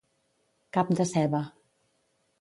Cap de ceba.